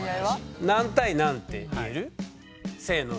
何対何って言える？せの！